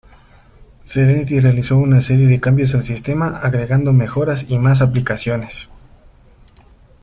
Serenity realizó una serie de cambios al sistema, agregando mejoras y más aplicaciones.